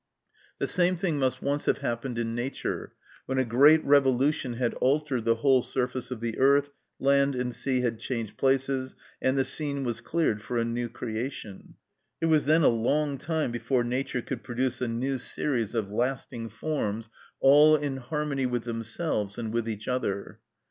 The same thing must once have happened in Nature, when a great revolution had altered the whole surface of the earth, land and sea had changed places, and the scene was cleared for a new creation. It was then a long time before Nature could produce a new series of lasting forms all in harmony with themselves and with each other.